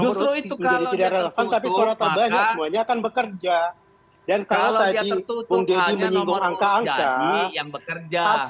justru itu kalau tertutup maka kalau tertutup hanya nomor urut yang bekerja